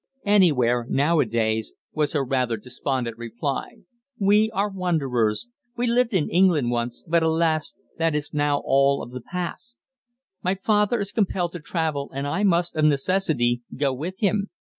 "Anywhere, now a days," was her rather despondent reply. "We are wanderers. We lived in England once but, alas! that is now all of the past. My father is compelled to travel, and I must, of necessity, go with him.